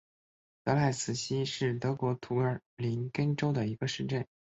德赖茨希是德国图林根州的一个市镇。